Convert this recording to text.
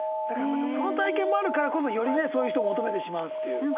だからその体験もあるからこそよりねそういう人を求めてしまうっていう。